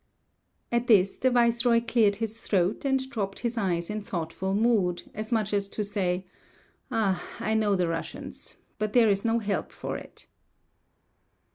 At this the viceroy cleared his throat, and dropped his eyes in thoughtful mood, as much as to say: "Ah, I know the Russians; but there is no help for it."